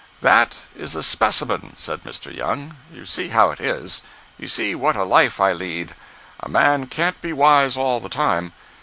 "That is a specimen," said Mr. Young. "You see how it is. You see what a life I lead. A man can't be wise all the time.